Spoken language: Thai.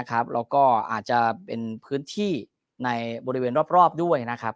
แล้วก็อาจจะเป็นพื้นที่ในบริเวณรอบด้วยนะครับ